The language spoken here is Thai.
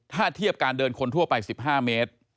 ถ้าเทียบการเดินคนทั่วไป๑๕เมตร